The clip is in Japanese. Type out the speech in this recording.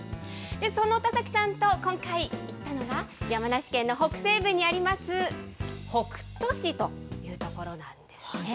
その田崎さんと今回、行ったのが、山梨県の北西部にあります北杜市という所なんですね。